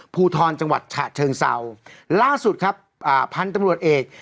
ภูทรจังหวัดฉะเชิงเศร้าล่าสุดครับอ่าพันธุ์ตำรวจเอก